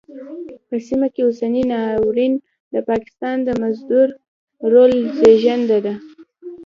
په سیمه کې اوسنی ناورین د پاکستان د مزدور رول زېږنده ده.